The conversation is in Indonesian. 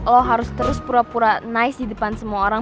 lo harus terus pura pura nice di depan semua orang